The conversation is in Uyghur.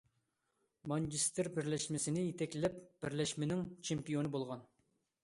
مانچېستېر بىرلەشمىسىنى يېتەكلەپ بىرلەشمىنىڭ چېمپىيونى بولغان.